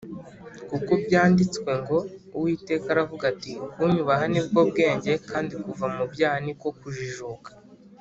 kuko byanditswe ngo Uwiteka aravuga ati kunyubaha nibwo bwenge kandi kuva mubyaha niko kujijuka